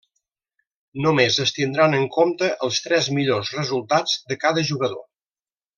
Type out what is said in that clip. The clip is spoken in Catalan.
Només es tindran en compte els tres millors resultats de cada jugador.